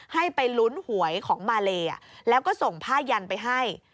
ให้ไปลุ้นหวยของมาเลแล้วก็ส่งผ้ายันไปให้